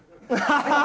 ハハハ！